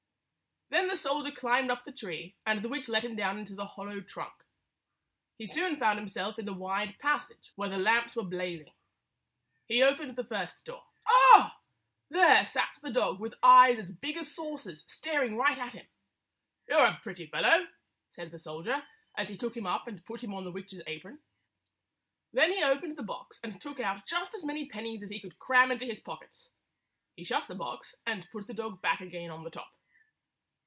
Then the soldier climbed up the tree, and the witch let him down into the hollow trunk. He soon found himself in the wide passage where the lamps were blazing. He opened the first door. Ugh! There sat the dog with eyes as big as saucers, staring right at him. "You 're a pretty fellow!" said the soldier, as he took him up and put him on the witch's apron. Then he opened the box and took out just as many pennies as he could cram into his pockets. He shut the box, and put the dog back again on the top.